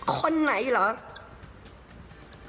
คนไหนเหรอ